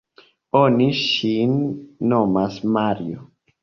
oni ŝin nomas Mario.